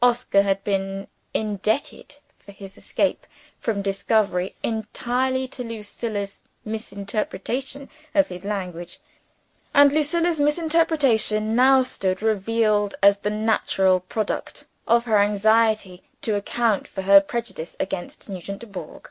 Oscar had been indebted for his escape from discovery entirely to Lucilla's misinterpretation of his language. And Lucilla's misinterpretation now stood revealed as the natural product of her anxiety to account for her prejudice against Nugent Dubourg.